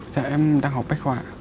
dạ em đang học bách khoa